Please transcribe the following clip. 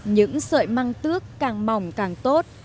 những sợi măng tước càng mỏng càng tốt